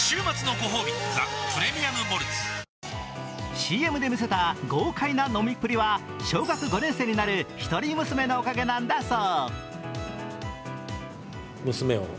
ＣＭで見せた豪快な飲みっぷりは小学５年生になる一人娘のおかげなんだそう。